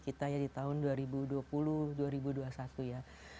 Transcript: kita ya di tahun dua ribu dua puluh dua ribu dua puluh satu ya